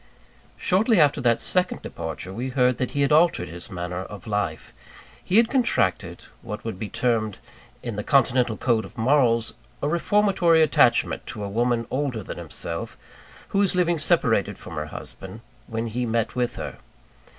Shortly after that second departure, we heard that he had altered his manner of life. He had contracted, what would be termed in the continental code of morals, a reformatory attachment to a woman older than himself, who was living separated from her husband, when he met with her.